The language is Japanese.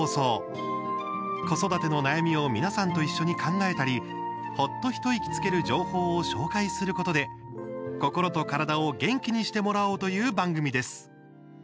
子育ての悩みを皆さんと一緒に考えたり、ほっと一息つける情報を紹介することで心と体を元気にしてもらおうという番組です。